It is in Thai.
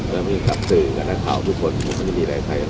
และมีกับสื่อกับหน้าข่าวทุกคนผมก็ไม่มีอะไรใส่กัน